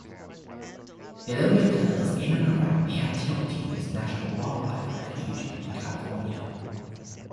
It only occurs in and around the Antioch Dunes National Wildlife Refuge in California.